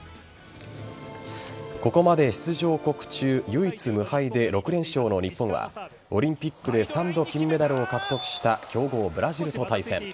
ここまで、出場国中唯一無敗で６連勝の日本はオリンピックで３度金メダルを獲得した強豪・ブラジルと対戦。